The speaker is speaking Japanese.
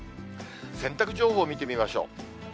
洗濯情報見てみましょう。